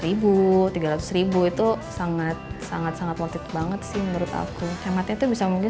itu sangat sangat sangat sangat pukul banget sih menurut aku hemat itu bisa mungkin